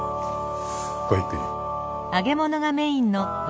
ごゆっくり。